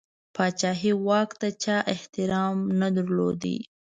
پاچهي واک ته چا احترام نه درلود.